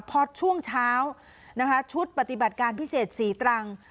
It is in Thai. พอช่วงเช้าชุดปฏิบัติการพิเศษ๔ตรัง